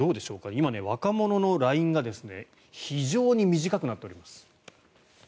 今、若者のＬＩＮＥが非常に短くなっております。